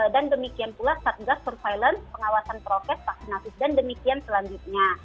dan demikian pula satgas surveillance pengawasan prokes vaksinatif dan demikian selanjutnya